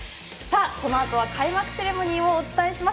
このあとは開幕セレモニーをお伝えします。